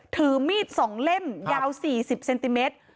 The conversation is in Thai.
ถือมีด๒เล่มยาว๔๐เซนติเมตร